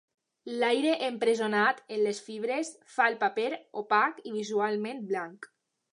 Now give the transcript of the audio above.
L'aire empresonat en les fibres fa el paper opac i visualment blanc.